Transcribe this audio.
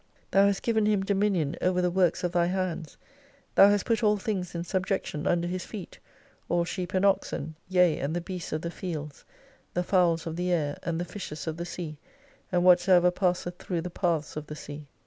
Thou hast given 216 him dommion over the works of Thy hands, Thou ha^t put all things in subjection under his feet ; all sheep and oxen, yea and the beasts of the fields ; the fowls of the air, and the fishes of the sea, and ivhatsoever passeth through the paths of the sea.